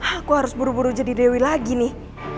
aku harus buru buru jadi dewi lagi nih